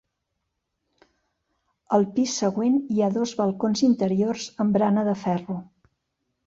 Al pis següent hi ha dos balcons interiors amb barana de ferro.